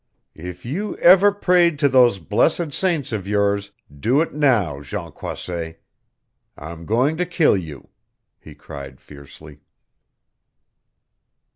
"If you ever prayed to those blessed saints of yours, do it now, Jean Croisset. I'm going to kill you!" he cried fiercely.